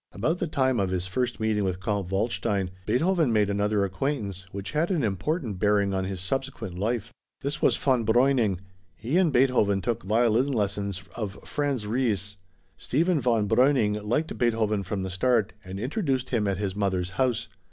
About the time of his first meeting with Count Waldstein, Beethoven made another acquaintance, which had an important bearing on his subsequent life. This was Von Breuning. He and Beethoven took violin lessons of Franz Ries. Stephen von Breuning liked Beethoven from the start and introduced him at his mother's house.